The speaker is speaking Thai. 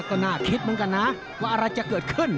ก็น่าคิดเหมือนกันนะว่าอะไรจะเกิดขึ้น